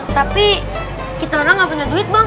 tapi kita orang gak punya duit dong